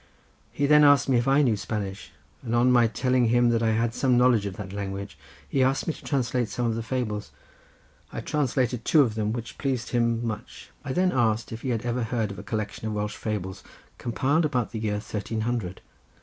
He then asked me if I knew Spanish, and on my telling him that I had some knowledge of that language he asked me to translate some of the fables. I translated two of them, which pleased him much. I then asked if he had ever heard of a collection of Welsh fables compiled about the year thirteen hundred.